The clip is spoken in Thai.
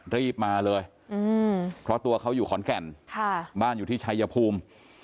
รีบมาเลยเพราะตัวเขาอยู่ขอนแก่นบ้านอยู่ที่ชายภูมิ